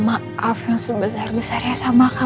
aku mau maaf weiterempah